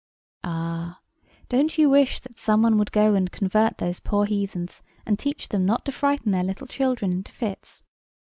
Ah! don't you wish that some one would go and convert those poor heathens, and teach them not to frighten their little children into fits?